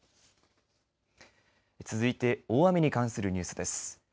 続いて大雨に関するニュースです。